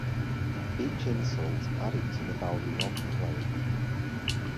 Each insult added to the value of the claim.